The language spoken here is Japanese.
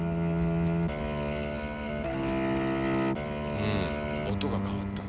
うん音が変わった。